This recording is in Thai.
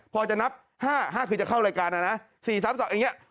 พอจะนับห้าห้าคือจะเข้ารายการอ่ะนะสี่สามสองอย่างเงี้ย